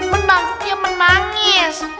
udah gede masih nangis